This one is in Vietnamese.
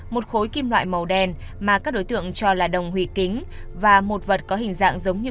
một khối kim loại màu đen mà các đối tượng cho là đồng hủy kính và một vật có hình dạng giống như